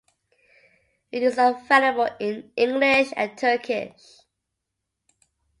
It is available in English and Turkish.